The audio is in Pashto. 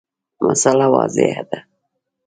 مسأله واضحه ده.